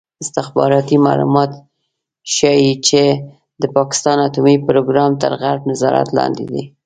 استخباراتي معلومات ښيي چې د پاکستان اټومي پروګرام تر غرب نظارت لاندې دی.